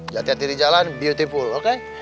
jatih jatih di jalan beautiful oke